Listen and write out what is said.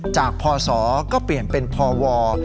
จากพอศก็เปลี่ยนเป็นพอวอร์